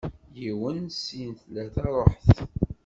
yiwen, sin, tlata, ruḥet!